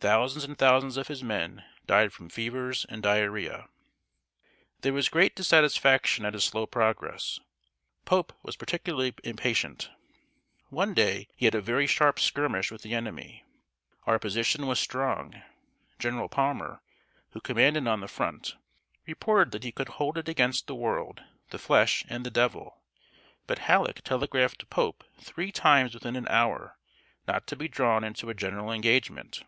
Thousands and thousands of his men died from fevers and diarrh[oe]a. There was great dissatisfaction at his slow progress. Pope was particularly impatient. One day he had a very sharp skirmish with the enemy. Our position was strong. General Palmer, who commanded on the front, reported that he could hold it against the world, the flesh, and the devil; but Halleck telegraphed to Pope three times within an hour not to be drawn into a general engagement.